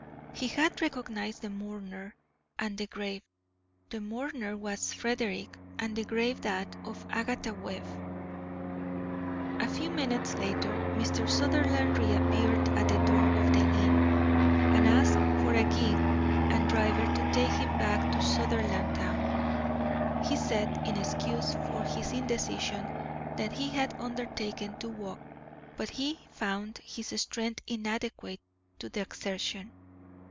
He had recognised the mourner and the grave. The mourner was Frederick and the grave that of Agatha Webb. A few minutes later Mr. Sutherland reappeared at the door of the inn, and asked for a gig and driver to take him back to Sutherlandtown. He said, in excuse for his indecision, that he had undertaken to walk, but had found his strength inadequate to the exertion.